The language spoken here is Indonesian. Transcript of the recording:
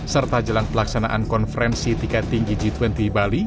serta jelang pelaksanaan konferensi tingkat tinggi g dua puluh bali